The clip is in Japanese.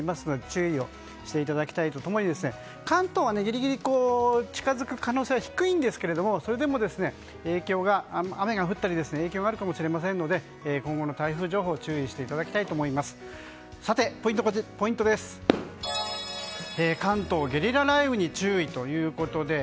注意をしていただきたいと共に関東は近付く可能性は低いんですがそれでも雨が降ったり影響があるかもしれませんので今後の台風情報に関東ゲリラ雷雨に注意。